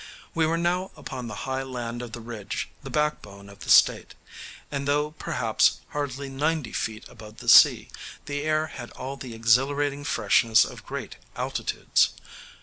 We were now upon the high land of the Ridge, the backbone of the State, and though, perhaps, hardly ninety feet above the sea, the air had all the exhilarating freshness of great altitudes.